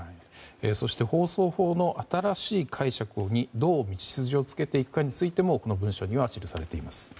そして放送法の新しい解釈にどう道筋をつけていくかについてもこの文書には記されています。